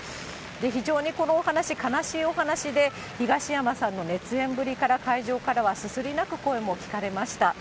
非常にこのお話、悲しいお話で、東山さんの熱演ぶりから会場からはすすり泣く声も聞かれました。